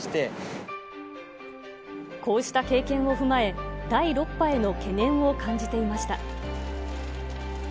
こうした経験を踏まえ、第６波への懸念を感じていました。